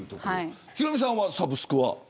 ヒロミさんは、サブスクは。